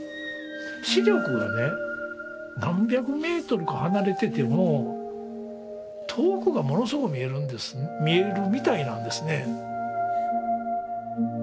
視力がね何百メートルか離れてても遠くがものすごく見えるみたいなんですね。